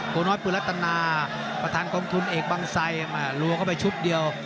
โฮนอทปุรตนาประธานกรมทุนเอกบังไซรวมเข้าไปชุดเดียว